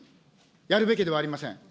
やるべきではありません。